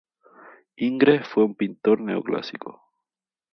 Ingres fue un pintor neoclásico.